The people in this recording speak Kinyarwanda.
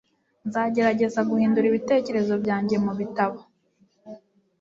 Nzagerageza guhindura ibitekerezo byanjye mubitabo.